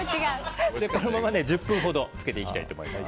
このまま１０分ほど漬けていきたいと思います。